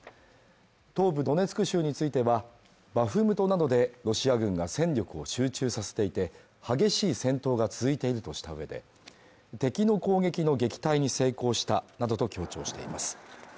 東部ドネツク州については、バフムトなどでロシア軍が戦力を集中させていて激しい戦闘が続いているとした上で、敵の攻撃の撃退に成功したなどと強調しています。